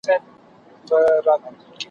ستا په لاس هتکړۍ وینم بې وسۍ ته مي ژړېږم ,